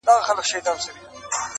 ویل گوره تا مي زوی دئ را وژلی!